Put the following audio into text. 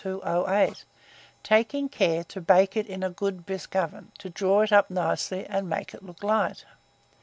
1208, taking care to bake it in a good brisk oven, to draw it up nicely and make it look light.